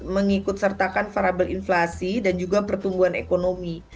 mengikut sertakan variable inflasi dan juga pertumbuhan ekonomi